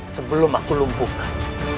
sebelum aku lumpuhkan